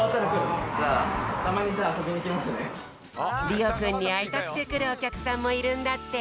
りおくんにあいたくてくるおきゃくさんもいるんだって。